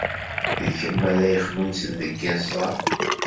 D kemm ara yexnunsen deg yiẓẓan.